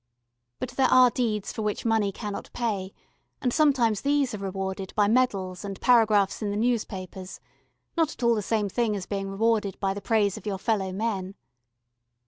But there are deeds for which money cannot pay, and sometimes these are rewarded by medals and paragraphs in the newspapers not at all the same thing as being rewarded by the praise of your fellow men.